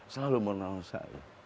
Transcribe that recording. selalu mendoakan saya